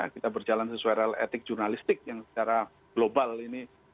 kita berjalan sesuai real etik jurnalistik yang secara global ini